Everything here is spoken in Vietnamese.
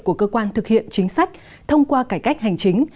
của cơ quan thực hiện chính sách thông qua cải cách hành chính